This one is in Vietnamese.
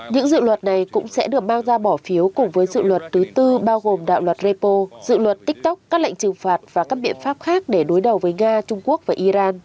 những dự luật này cũng sẽ được bao ra bỏ phiếu cùng với dự luật thứ tư bao gồm đạo luật repo dự luật tiktok các lệnh trừng phạt và các biện pháp khác để đối đầu với nga trung quốc và iran